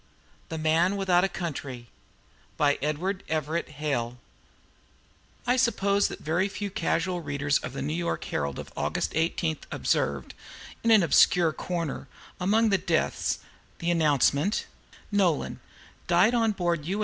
HALE. THE MAN WITHOUT A COUNTRY I [Note 1] suppose that very few casual readers of the "New York Herald" of August 13, 1863, observed, [Note 2] in an obscure corner, among the "Deaths," the announcement, "NOLAN. Died, on board U.